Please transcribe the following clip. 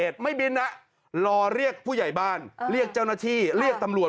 นุ๊งอยู่เนี่ยพี่ต้น